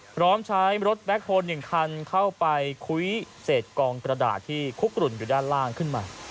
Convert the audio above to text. พร้อมใช้รถแบ็คโฮล๑คันเข้าไปคุ้ยเศษกองกระดาษที่คุกกลุ่นอยู่ด้านล่างขึ้นมา